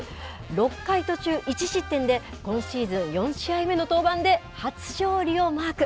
６回途中、１失点で今シーズン４試合目の登板で初勝利をマーク。